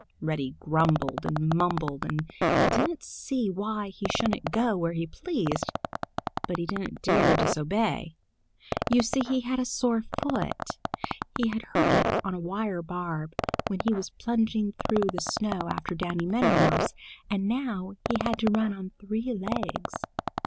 Reddy grumbled and mumbled and didn't see why he shouldn't go where he pleased, but he didn't dare disobey. You see he had a sore foot. He had hurt it on a wire barb when he was plunging through the snow after Danny Meadow Mouse, and now he had to run on three legs.